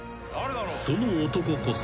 ［その男こそ］